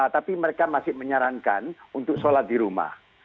tapi mereka masih menyarankan untuk sholat di rumah